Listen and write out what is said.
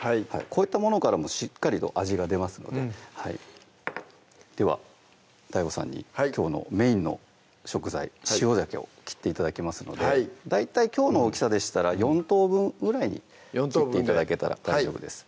こういったものからもしっかりと味が出ますのでではＤＡＩＧＯさんにきょうのメインの食材・塩じゃけを切って頂きますので大体きょうの大きさでしたら４等分ぐらいに切って頂けたら大丈夫です